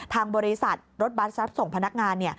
ทางบริษัทรถบัสรับส่งพนักงาน